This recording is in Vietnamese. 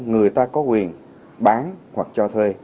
người ta có quyền bán hoặc cho thuê